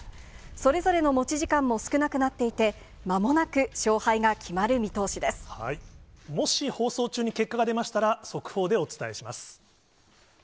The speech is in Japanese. それぞれの持ち時間も少なくなっていて、まもなく勝敗が決まる見もし放送中に結果が出ましたら、速報でお伝えします。